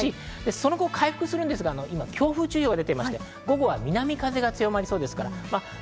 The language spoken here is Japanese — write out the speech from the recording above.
その後、回復するんですが、強風注意報が出ていまして、午後は南風が強まりそうです。